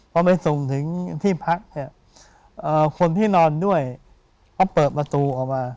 พอไปส่งถึงที่พักเนี่ยคนที่นอนด้วยเขาเปิดประตูออกมา